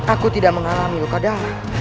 aku tidak mengalami luka darah